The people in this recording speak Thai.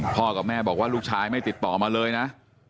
กับแม่บอกว่าลูกชายไม่ติดต่อมาเลยนะ